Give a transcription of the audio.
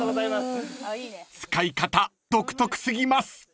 ［使い方独特過ぎます］